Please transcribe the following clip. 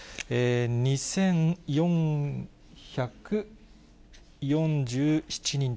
２４４７人。